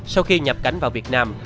sau khi nhập cảnh vào việt nam